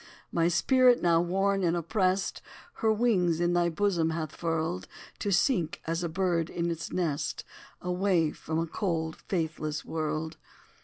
My spirit, now worn and oppressed, Her wings in thy bosom hath furled, To sink, as a bird in its nest, Away from a cold, faithless world!